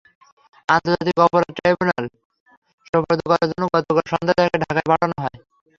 আন্তর্জাতিক অপরাধ ট্রাইব্যুনালে সোপর্দ করার জন্য গতকাল সন্ধ্যায় তাঁকে ঢাকায় পাঠানো হয়।